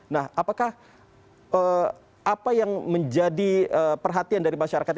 nah apakah apa yang menjadi perhatian dari masyarakat